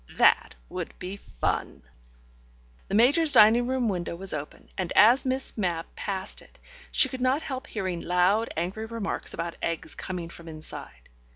That would be fun! The Major's dining room window was open, and as Miss Mapp passed it, she could not help hearing loud, angry remarks about eggs coming from inside.